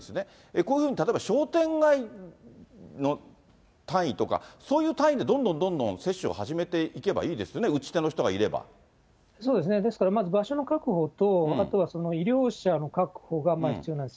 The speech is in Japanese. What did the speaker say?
こういうふうに例えば商店街の単位とか、そういう単位でどんどんどんどん接種を始めていけばいいですよね、そうですね、ですからまず場所の確保と、医療者の確保が必要なんです。